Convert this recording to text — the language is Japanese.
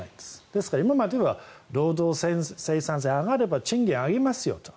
ですので今までは労働生産性が上がれば、賃金を上げますよと。